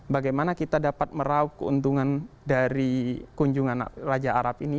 bagaimana kita dapat meraup keuntungan dari kunjungan raja arab ini